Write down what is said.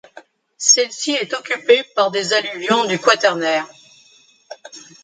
Celle-ci est occupée par des alluvions du Quaternaire.